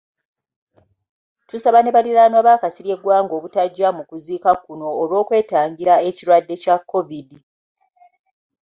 Tusaba ne baliraanwa ba Kasirye Gwanga obutajja mu kuziika kuno olw'okwetangira ekirwadde kya Kovidi.